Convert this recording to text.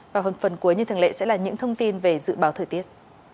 và hơn phần cuối như thường lệ sẽ là những thông tin về dự báo thời tiết